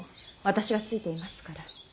私がついていますから。